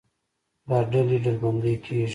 دا ډلې ډلبندي کېږي.